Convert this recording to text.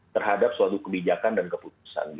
terhadap suatu kebijakan dan keputusan